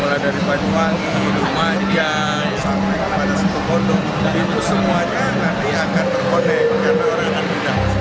mulai dari bajuwati rumaja sampai ke bata setubung itu semuanya nanti akan terkoneksi